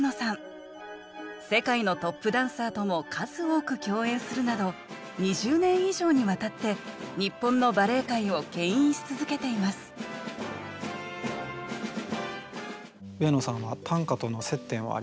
世界のトップダンサーとも数多く共演するなど２０年以上にわたって日本のバレエ界をけん引し続けています上野さんは短歌との接点はありますか？